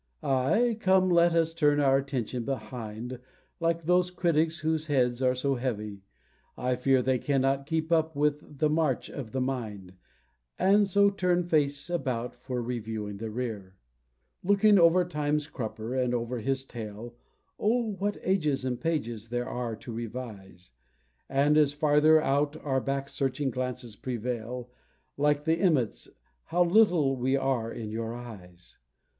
Aye, come, let us turn our attention behind, Like those critics whose heads are so heavy, I fear, That they cannot keep up with the march of the mind, And so turn face about for reviewing the rear. Looking over Time's crupper and over his tail, Oh, what ages and pages there are to revise! And as farther our back searching glances prevail, Like the emmets, "how little we are in our eyes!"